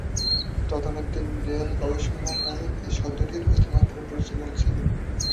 তদানিন্তন Bell গবেষণাগারে এই শব্দটির অতিমাত্রায় প্রচলন ছিল।